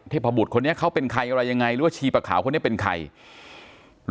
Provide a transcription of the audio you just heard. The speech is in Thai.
พบุตรคนนี้เขาเป็นใครอะไรยังไงหรือว่าชีปะขาวคนนี้เป็นใคร